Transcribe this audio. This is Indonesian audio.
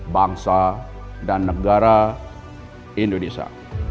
bangsa dan negara indonesia